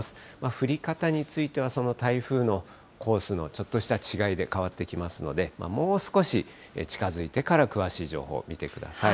降り方については、その台風のコースのちょっとした違いで変わってきますので、もう少し近づいてから詳しい情報を見てください。